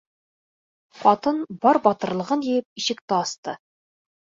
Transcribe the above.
Ҡатын, бар батырлығын йыйып, ишекте асты.